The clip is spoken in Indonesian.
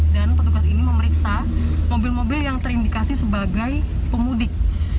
dan petugas ini memeriksa mobil mobil yang terindikasi sebagai pemudik